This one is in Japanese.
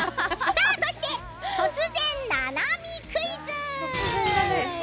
そして突然ななみクイズ。